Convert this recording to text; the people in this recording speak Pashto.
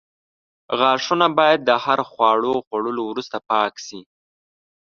غاښونه باید د هر خواړو خوړلو وروسته پاک شي.